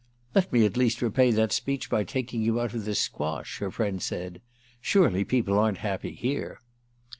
"Let me at least repay that speech by taking you out of this squash," her friend said. "Surely people aren't happy here!"